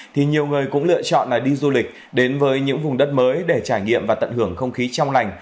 thì nhiều người cũng lựa chọn là đi du lịch đến với những vùng đất mới để trải nghiệm và tận hưởng không khí trong lành